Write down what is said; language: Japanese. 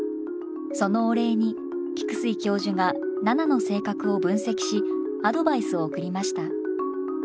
そのお礼に菊水教授が奈々の性格を分析しアドバイスを送りました。